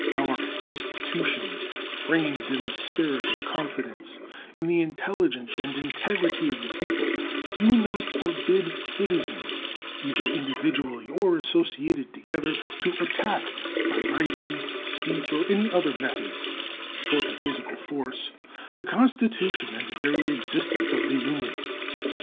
Our institutions, framed in the spirit of confidence in the intelligence and integrity of the people, do not forbid citizens, either individually or associated together, to attack by writing, speech, or any other methods short of physical force the Constitution and the very existence of the Union.